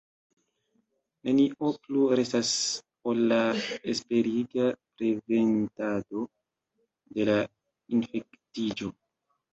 Nenio plu restas, ol la esperiga preventado de la infektiĝo.